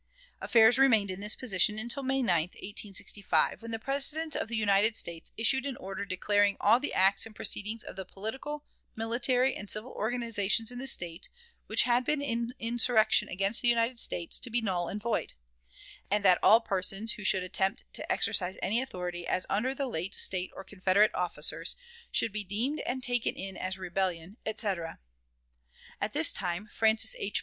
Affairs remained in this position until May 9, 1865, when the President of the United States issued an order declaring all the acts and proceedings of the political, military, and civil organizations in the State which had been in insurrection against the United States to be null and void; and that all persons who should attempt to exercise any authority as under the late State or Confederate officers, should be deemed and taken as in rebellion, etc. At this time Francis H.